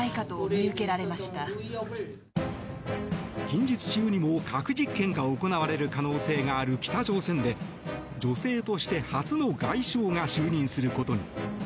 近日中にも核実験が行われる可能性がある北朝鮮で女性として初の外相が就任することに。